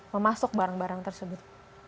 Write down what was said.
memasuk barang barang tersebut